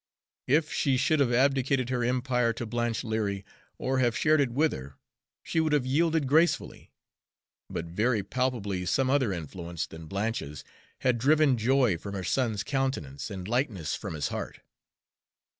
If she could have abdicated her empire to Blanche Leary or have shared it with her, she would have yielded gracefully; but very palpably some other influence than Blanche's had driven joy from her son's countenance and lightness from his heart.